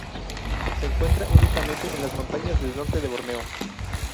Se encuentra únicamente en las montañas del norte de Borneo.